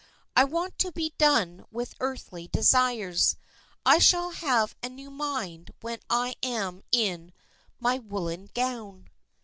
I want to be done with earthly desires. I shall have a new mind when I am in my woollen gown."